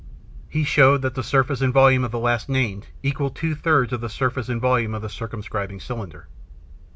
He showed that the surface and volume of the last named equal two thirds of the surface and volume of the circumscribing cylinder.